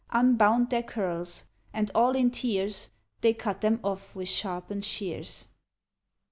Unbound their curls ; and all in tears. They cut them ofF with sharpened shears.